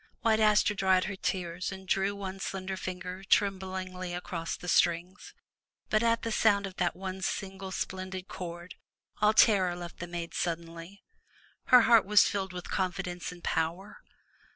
White Aster dried her tears and drew one slender finger trem blingly across the strings. But at the sound of that one single splendid chord, all terror left the maiden suddenly, — her heart was filled with confidence and power.